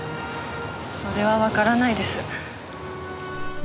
それはわからないです。